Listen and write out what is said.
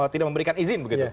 tidak memberikan izin begitu